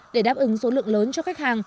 để đáp ứng số lượng lớn cho khách hàng